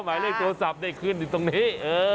หมายเลขโทรศัพท์ได้ขึ้นอยู่ตรงนี้